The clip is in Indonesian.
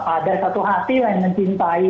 ada satu hati yang mencintai